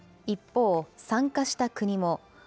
一方、参加した国も。